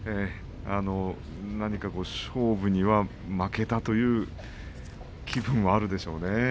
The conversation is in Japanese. なにか勝負には負けたという気分はあるでしょうね。